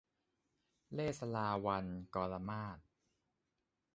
เลศลาวัณย์ - กรมาศ